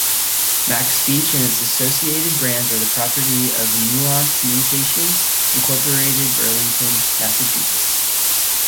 MacSpeech and its associated brands are the property of Nuance Communications, Incorporated Burlington, Massachusetts.